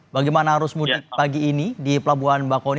bagaimana arus mudik pagi ini di pelabuhan bakau ini